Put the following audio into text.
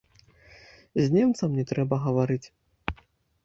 З немцам не трэба гаварыць.